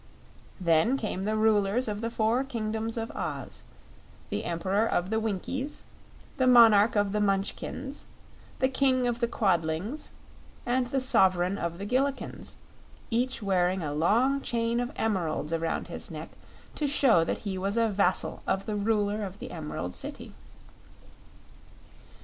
Then came the Rulers of the four Kingdoms of Oz: the Emperor of the Winkies, the Monarch of the Munchkins, the King of the Quadlings and the Sovereign of the Gillikins, each wearing a long chain of emeralds around his neck to show that he was a vassal of the Ruler of the Emerald City.